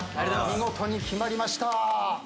見事に決まりました。